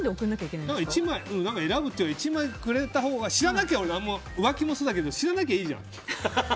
１枚、選ぶっていうより１枚くれたほうが浮気もそうだけど知らなきゃいいじゃん。